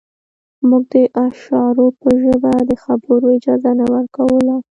موږ د اشارو په ژبه د خبرو اجازه نه ورکوله